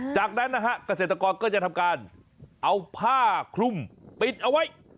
จากนั้นนะฮะเกษตรกรก็จะทำการเอาผ้าคลุมปิดเอาไว้